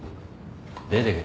出てけ。